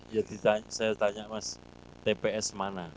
jadi saya tanya mas tps mana